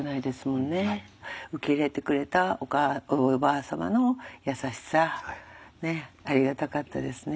受け入れてくれたおばあ様の優しさありがたかったですね。